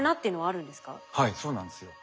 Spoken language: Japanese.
はいそうなんですよ。